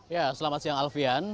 ya selamat siang alfian